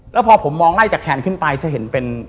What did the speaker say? แล้วพอผมมองไล่จากแขนขึ้นไปจะเห็นเป็น